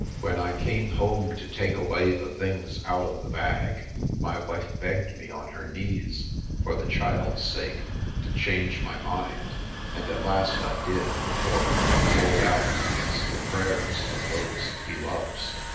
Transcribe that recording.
When I came home to take away the things out of the bag, my wife begged me on her knees, for the child's sake, to change my mind; and at last I did, for who can hold out against the prayers of those he loves?